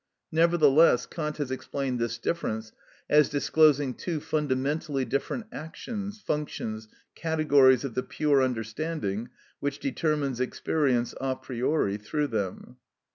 Nevertheless, Kant has explained this difference as disclosing two fundamentally different actions, functions, categories of the pure understanding which determines experience a priori through them.